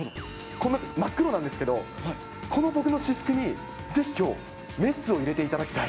こんな真っ黒なんですけど、この僕の私服にぜひきょう、メスを入れていただきたい。